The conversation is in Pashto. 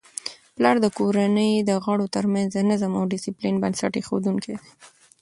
پلار د کورنی د غړو ترمنځ د نظم او ډیسپلین بنسټ ایښودونکی دی.